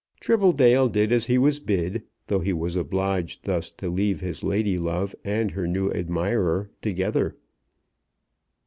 Tribbledale did as he was bid, though he was obliged thus to leave his lady love and her new admirer together.